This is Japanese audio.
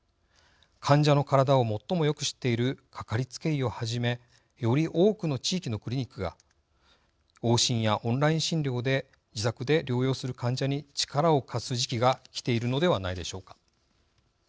患者の体を最もよく知っているかかりつけ医をはじめより多くの地域のクリニックが往診やオンライン診療で自宅で療養する患者に力を貸す時期が来ているのではないでしょうか。